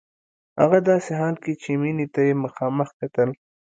هغه داسې حال کې چې مينې ته يې مخامخ کتل.